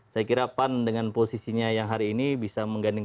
saya kira pan dengan posisinya yang hari ini bisa mengganding